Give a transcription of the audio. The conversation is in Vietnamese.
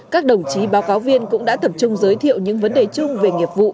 các đồng chí báo cáo viên cũng đã tập trung giới thiệu những vấn đề chung về nghiệp vụ